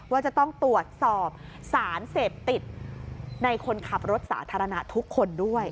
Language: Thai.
ว่าจะต้องตรวจสอบสารเสพติดในคนขับรถสาธารณะทุกคนด้วย